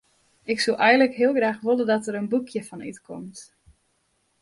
Ik soe eigentlik heel graach wolle dat der in boekje fan útkomt.